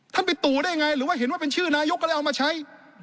ไปตู่ได้ไงหรือว่าเห็นว่าเป็นชื่อนายกก็เลยเอามาใช้